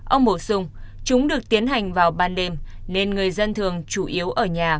ông bổ sung chúng được tiến hành vào ban đêm nên người dân thường chủ yếu ở nhà